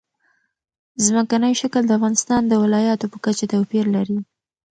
ځمکنی شکل د افغانستان د ولایاتو په کچه توپیر لري.